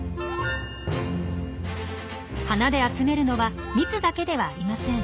花で集めるのは蜜だけではありません。